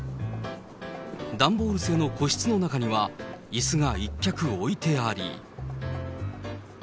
段ボール製の個室の中にはいすが１脚置いてあり。